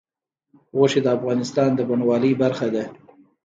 غوښې د افغانستان د بڼوالۍ برخه ده.